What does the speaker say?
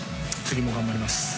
次も頑張ります。